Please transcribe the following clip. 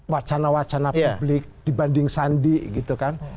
wacana wacana publik dibanding sandi gitu kan